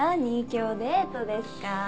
今日デートですか？